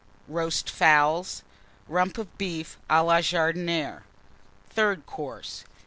Roast Fowls. Rump of Beef à la Jardinière. _Third Course.